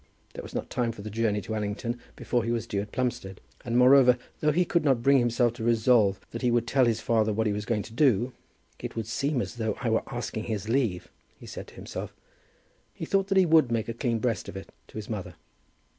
There was not time for the journey to Allington before he was due at Plumstead. And, moreover, though he could not bring himself to resolve that he would tell his father what he was going to do; "It would seem as though I were asking his leave!" he said to himself; he thought that he would make a clean breast of it to his mother.